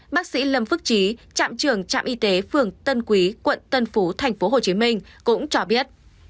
bác sĩ lâm phước trí trạm trưởng trạm y tế phường tân quý quận tân phú tp hcm cũng cho biết